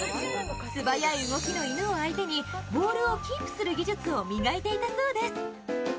素早い動きの犬を相手にボールをキープする技術を磨いていたそうです。